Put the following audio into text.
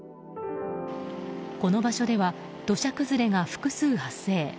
この場所では土砂崩れが複数発生。